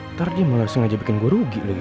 ntar dia malah sengaja bikin gue rugi lagi